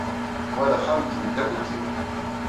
Wa d axxam n temdakkelt-iw.